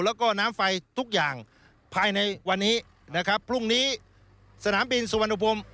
แล้วก็น้ำไฟทุกอย่างภายในวันนี้นะครับพรุ่งนี้สนามบินสุวรรณภูมิ